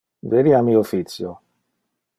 Veni a mi officio.